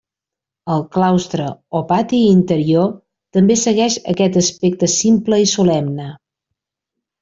El claustre o pati interior també segueix aquest aspecte simple i solemne.